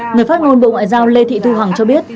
người phát ngôn bộ ngoại giao lê thị thu hằng cho biết